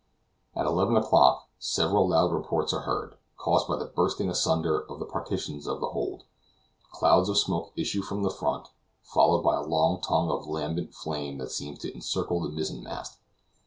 At eleven o'clock, several loud reports are heard, caused by the bursting asunder of the partitions of the hold. Clouds of smoke issue from the front, followed by a long tongue of lambent flame that seems to encircle the mizzen mast.